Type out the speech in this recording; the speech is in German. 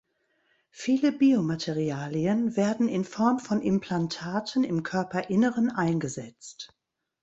Viele Biomaterialien werden in Form von Implantaten im Körperinneren eingesetzt.